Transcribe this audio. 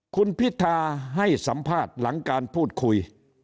คุณพิธาให้สัมภาษณ์หลังการพูดคุย